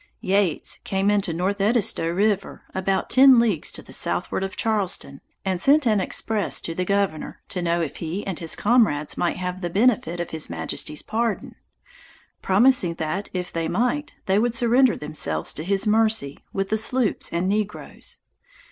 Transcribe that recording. Yeates came into North Eddisto river, about ten leagues to the southward of Charleston, and sent an express to the governor, to know if he and his comrades might have the benefit of his majesty's pardon; promising that, if they might, they would surrender themselves to his mercy, with the sloops and negroes.